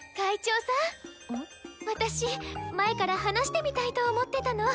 私前から話してみたいと思ってたの。